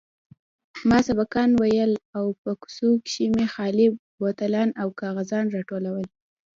ما سبقان ويل او په کوڅو کښې مې خالي بوتلان او کاغذان راټولول.